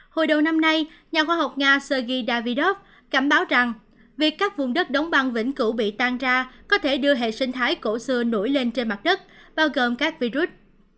hồi đầu năm nay nhà khoa học nga sergi davidorv cảnh báo rằng việc các vùng đất đóng băng vĩnh cửu bị tan ra có thể đưa hệ sinh thái cổ xưa nổi lên trên mặt đất bao gồm các virus